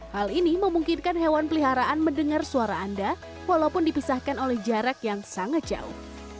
hal ini memungkinkan hewan peliharaan mendengar suara anda walaupun dipisahkan oleh jarak yang sangat jauh